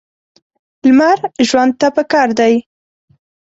لمر ژوند ته پکار دی.